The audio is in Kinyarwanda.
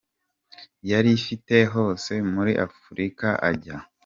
yari ifite hose muri Afurika ajya.